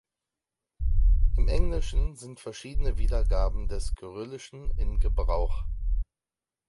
Im Englischen sind verschiedene Wiedergaben des Kyrillischen in Gebrauch.